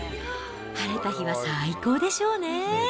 晴れた日は最高でしょうね。